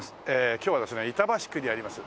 今日はですね板橋区にあります